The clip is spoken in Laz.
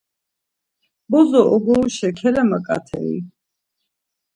Bozo ogoruşa ǩelemaǩatei?